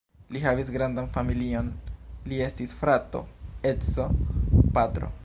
Li havis grandan familion: li estis frato, edzo, patro.